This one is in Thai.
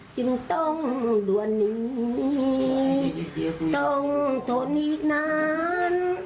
จึงต้องด่วนนี้ต้องทนอีกนาน